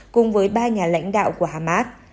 cùng với ba nhà lãnh đạo của hamas